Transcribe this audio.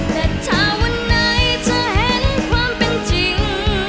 แต่ถ้าวันไหนเธอเห็นความเป็นจริง